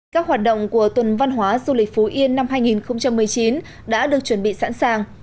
các hoạt động của tuần văn hóa du lịch phú yên năm hai nghìn một mươi chín đã được chuẩn bị sẵn sàng